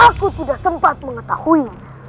aku tidak sempat mengetahuinya